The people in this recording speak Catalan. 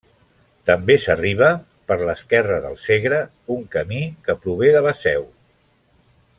També s'arriba, per l'esquerra del Segre, un camí que prové de la Seu.